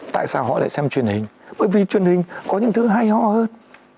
tại sao họ lại xem truyền hình bởi vì truyền hình có những thứ hay ho hơn